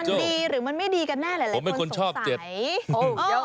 โอ้โหโอ้โหโอ้โหโอ้โหโอ้โหโอ้โหโอ้โหโอ้โหโอ้โหโอ้โหโอ้โหโอ้โห